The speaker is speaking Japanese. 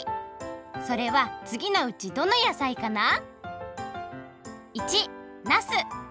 それはつぎのうちどの野菜かな？